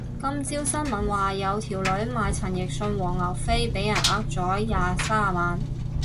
今朝新聞話有條女買陳奕迅黃牛飛俾人呃咗廿三萬